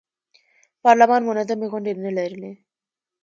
پارلمان منظمې غونډې نه لرلې.